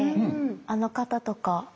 あの方とか。